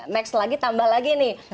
max lagi tambah lagi nih